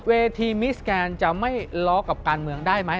เวทีมิสแกนจะไม่ล้อกับการเมืองได้ไหม